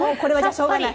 しょうがない。